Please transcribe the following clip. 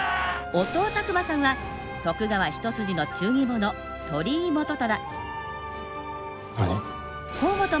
音尾琢真さんは徳川一筋の忠義者鳥居元忠。